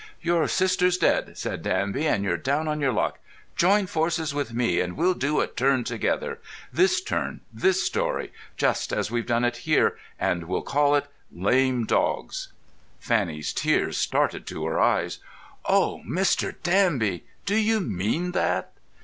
"Your sister's dead," said Danby, "and you're down on your luck. Join forces with me, and we'll do a turn together—this turn, this story, just as we've done it here, and we'll call it 'Lame Dogs.'" Fanny's tears started to her eyes. "Oh, Mr. Danby, do you mean that?"